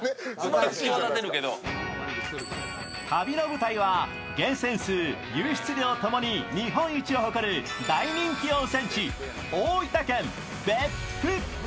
旅の舞台は源泉数・湧出量ともに日本一を誇る大人気温泉地、大分県別府。